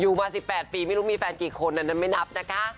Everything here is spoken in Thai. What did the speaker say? มา๑๘ปีไม่รู้มีแฟนกี่คนอันนั้นไม่นับนะคะ